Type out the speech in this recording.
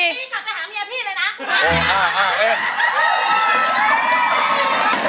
พี่ขับไปหาเมียพี่เลยนะ